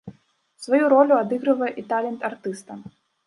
Сваю ролю адыгрывае і талент артыста.